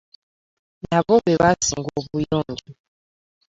Nabo be baasinga obuyonjo.